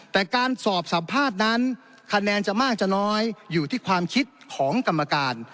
แต่การสอบสัมภาษณ์นั้นคะแนนจะมากจะน้อยอยู่ที่ความคิดของกรรมการ